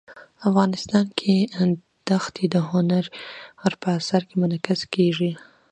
افغانستان کې ښتې د هنر په اثار کې منعکس کېږي.